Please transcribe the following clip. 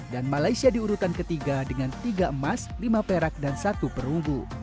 dan malaysia diurutan ketiga dengan tiga emas lima perak dan satu perunggu